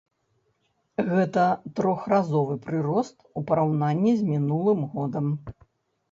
Гэта трохразовы прырост у параўнанні з мінулым годам.